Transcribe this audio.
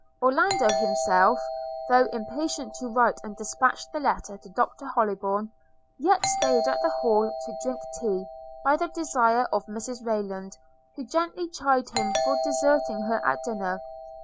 Orlando himself, though impatient to write and dispatch the letter to Dr Hollybourn, yet staid at the Hall to drink tea, by the desire of Mrs Rayland, who gently chid him for deserting her at dinner.